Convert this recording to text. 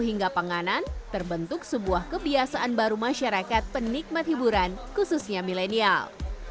hingga panganan terbentuk sebuah kebiasaan baru masyarakat penikmat hiburan khususnya milenial